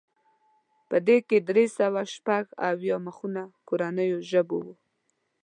په دې کې درې سوه شپږ اویا مخونه کورنیو ژبو وو.